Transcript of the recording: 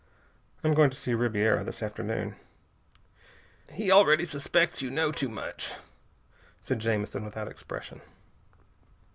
I'm going to see Ribiera this afternoon." "He already suspects you know too much," said Jamison without expression.